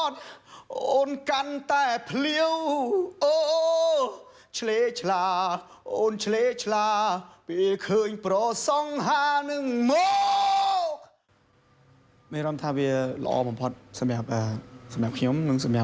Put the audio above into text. รอรับได้เลยเป็นเวอร์ชั่นกำพูชาอีกด้วย